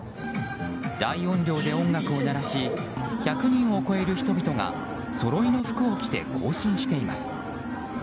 大音量で音楽を鳴らし１００人を超える人々がそろいの服を着て行進しています。